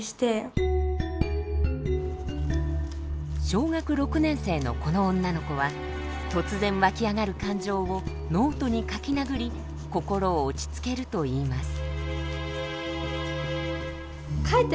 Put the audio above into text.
小学６年生のこの女の子は突然わき上がる感情をノートに書きなぐり心を落ち着けると言います。